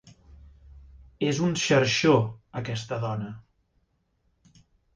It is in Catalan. És un xarxó, aquesta dona.